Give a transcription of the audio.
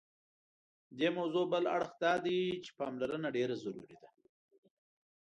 دې موضوع بل اړخ دادی چې پاملرنه ډېره ضروري ده.